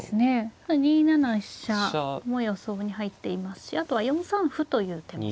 ２七飛車も予想に入っていますしあとは４三歩という手も。